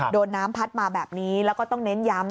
โดนน้ำพัดมาแบบนี้แล้วก็ต้องเน้นย้ำ